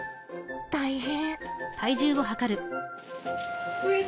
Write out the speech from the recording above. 大変。